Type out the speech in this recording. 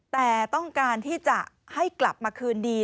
แต่ต้องการที่จะให้กลับมาคืนดี